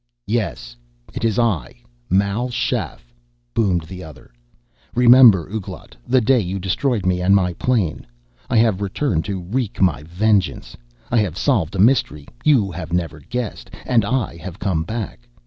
"Yes, it is I, Mal Shaff," boomed the other. "Remember, Ouglat, the day you destroyed me and my plane. I have returned to wreak my vengeance. I have solved a mystery you have never guessed and I have come back.